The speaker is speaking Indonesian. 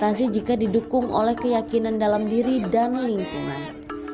dan tidak diatasi jika didukung oleh keyakinan dalam diri dan lingkungan